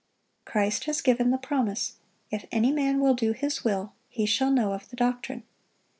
Christ has given the promise, "If any man will do His will, he shall know of the doctrine."